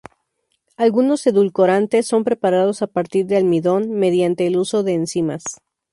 Algunos edulcorantes son preparados a partir de almidón, mediante el uso de enzimas.